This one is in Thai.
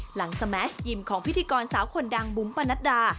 สแมสยิมของพิธีกรสาวคนดังบุ๋มปะนัดดา